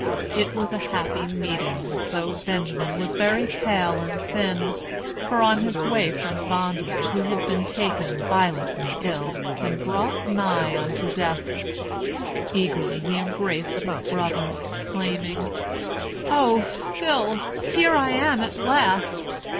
It was a happy meeting, though Benjamin was very pale and thin; for on his way from bondage he had been taken violently ill, and brought nigh unto death. Eagerly he embraced his brother, exclaiming: "O Phil! here I am at last.